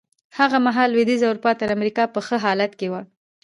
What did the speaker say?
هغه مهال لوېدیځه اروپا تر امریکا په ښه حالت کې وه.